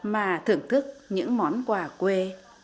mà thưởng thức những món quà quê